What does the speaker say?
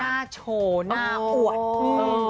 หน้าโชว์หน้าอวด